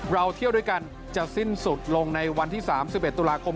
เราเที่ยวด้วยกันจะสิ้นสุดลงในวันที่๓๑ตุลาคม